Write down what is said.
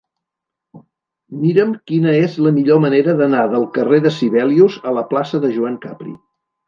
Mira'm quina és la millor manera d'anar del carrer de Sibelius a la plaça de Joan Capri.